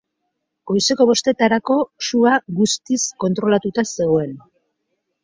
Goizeko bostetarako, sua guztiz kontrolatuta zegoen.